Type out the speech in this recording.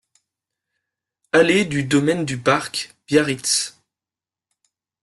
Allée du Domaine du Parc, Biarritz